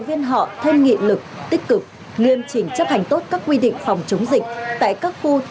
với giao thông tài liệu